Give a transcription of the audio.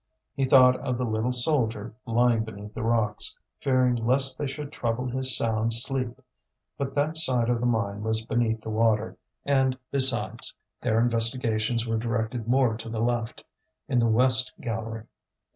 He thought of the little soldier lying beneath the rocks, fearing lest they should trouble his sound sleep; but that side of the mine was beneath the water, and, besides, their investigations were directed more to the left, in the west gallery.